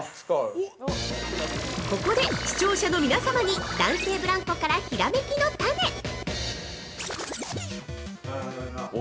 ◆ここで視聴者の皆様に、男性ブランコからひらめきのタネ！